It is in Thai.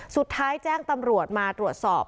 สุดท้ายแจ้งตำรวจมาตรวจสอบ